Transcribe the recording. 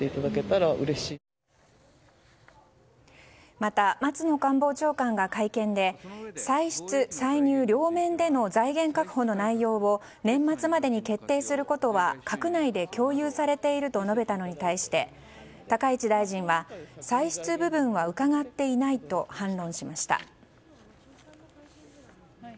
また、松野官房長官が会見で歳出歳入両面での財源確保の内容を年末までに決定することは閣内で共有されていると述べたのに対して高市大臣は歳出部分は伺っていないと反論しました。